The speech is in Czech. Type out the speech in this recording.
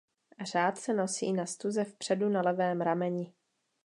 Řád se nosí na stuze vpředu na levém rameni.